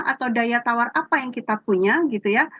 atau daya tawar apa yang kita punya gitu ya